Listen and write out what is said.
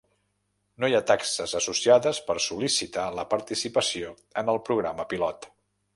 No hi ha taxes associades per sol·licitar la participació en el programa pilot.